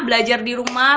belajar di rumah